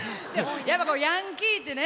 やっぱこうヤンキーってね